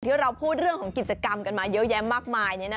ที่เราพูดเรื่องของกิจกรรมกันมาเยอะแยะมากมาย